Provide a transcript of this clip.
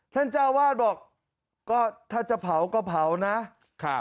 ท่านเจ้าวาดก็บอกถ้าจะเผาก็เผานะ